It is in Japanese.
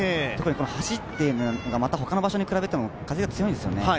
特に橋というのがほかの場所に比べても風が強いんですよね。